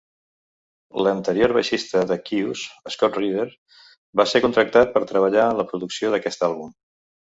L'anterior baixista de Kyuss, Scott Reeder, va ser contractat per treballar en la producció d'aquest àlbum.